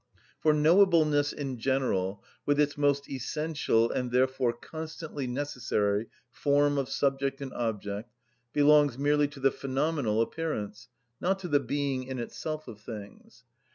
For knowableness in general, with its most essential, and therefore constantly necessary form of subject and object, belongs merely to the phenomenal appearance, not to the being in itself of things.